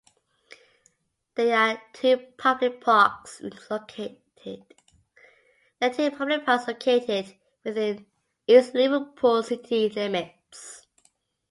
There are two public parks located within East Liverpool city limits.